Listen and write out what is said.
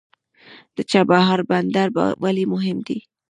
د چابهار بندر ولې مهم دی؟